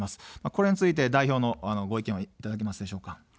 これについて代表のご意見はいかがでしょうか。